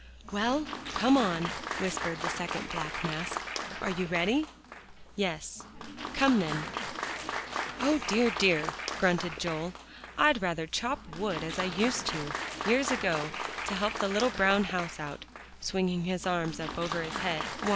"Well, come on," whispered the second black mask. "Are you ready?" Yes. "Come then." "O, dear, dear!" grunted Joel, "I'd rather chop wood as I used to, years ago, to help the little brown house out," swinging his arms up over his head.